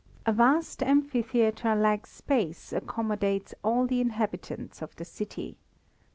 A vast amphitheatre like space accommodates all the inhabitants of the city.